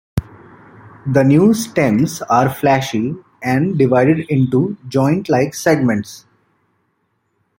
The new stems are fleshy and divided into joint-like segments.